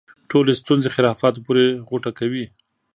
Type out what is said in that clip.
ټولې ستونزې خرافاتو پورې غوټه کوي.